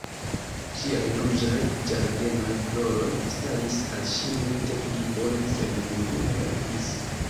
Ŝiaj ruĝaj ĝardenaj floroj staris al ŝi multe pli bone, sed nenio helpis.